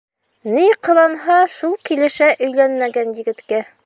Ни ҡыланһа, шул килешә өйләнмәгән егеткә.